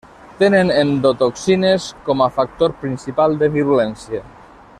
Tenen endotoxines, com a factor principal de virulència.